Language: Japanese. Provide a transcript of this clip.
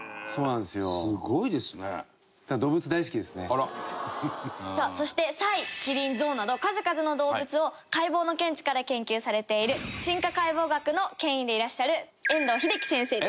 あら！さあそしてサイキリンゾウなど数々の動物を解剖の見地から研究されている進化解剖学の権威でいらっしゃる遠藤秀紀先生です。